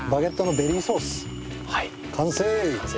完成。